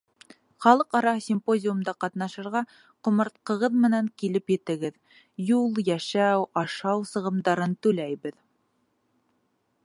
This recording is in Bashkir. «Халыҡ-ара симпозиумда ҡатнашырға ҡомартҡығыҙ менән килеп етегеҙ, юл, йәшәү, ашау сығымдарын түләйбеҙ».